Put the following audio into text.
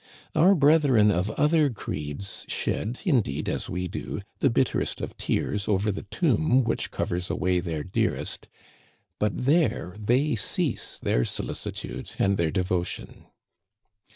Our brethren of other creeds shed, indeed, as we do, thé bitterest of tears over the tomb which covers away their dearest, but there they cease their solicitude and their devotion.